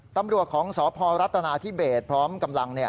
ตำรวจของสพรัฐนาธิเบสพร้อมกำลัง